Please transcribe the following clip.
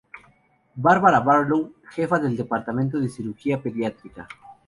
Barbara Barlow, jefa del departamento de cirugía pediátrica.